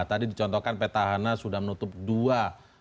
tadi dicontohkan petahana sudah menutup dua